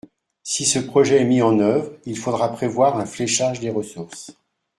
Si ce projet est mis en œuvre, il faudra prévoir un fléchage des ressources.